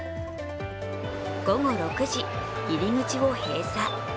午後６時、入り口を閉鎖。